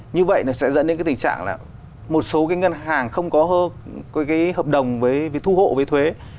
như vậy nó sẽ dẫn đến cái tình trạng là một số cái ngân hàng không có cái hợp đồng với thu hộ với thuế